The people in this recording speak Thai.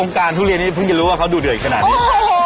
การทุเรียนนี้เพิ่งจะรู้ว่าเขาดูเดือดขนาดนี้